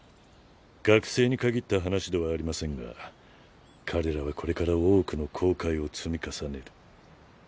学生に限った話ではありませんが彼らはこれから多くの後悔を積み重ねる。